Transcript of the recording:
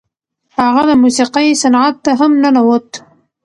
هغه د موسیقۍ صنعت ته هم ننوت.